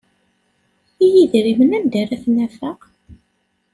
I yidrimen anda ara t-nafeɣ?